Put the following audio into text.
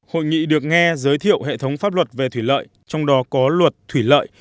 hội nghị được nghe giới thiệu hệ thống pháp luật về thủy lợi trong đó có luật thủy lợi